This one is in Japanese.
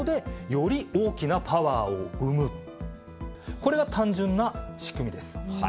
これが単純な仕組みです。